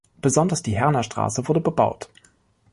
Besonders die Herner Straße wurde bebaut.